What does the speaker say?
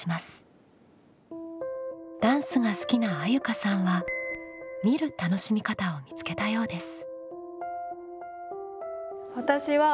ダンスが好きなあゆかさんは「みる」楽しみ方を見つけたようです。